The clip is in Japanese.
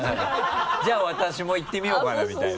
「じゃあ私も行ってみようかな」みたいな？